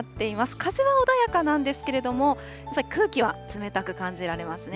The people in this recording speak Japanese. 風は穏やかなんですけれども、空気は冷たく感じられますね。